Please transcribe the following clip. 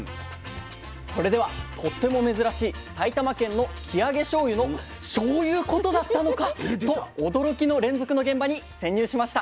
それではとっても珍しい埼玉県の生揚げしょうゆの「『しょうゆ』うことだったのか！」と驚きの連続の現場に潜入しました。